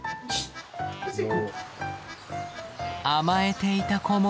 甘えていた子も？